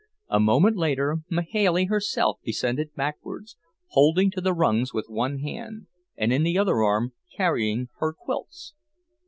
A moment later Mahailey herself descended backwards, holding to the rungs with one hand, and in the other arm carrying her quilts.